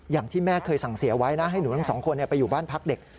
อย่างที่แม่เคยสั่งเสียไว้นะให้หนูทั้งสองคนไปอยู่บ้านพักเด็ก